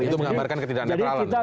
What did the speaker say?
itu menggambarkan ketidak netralan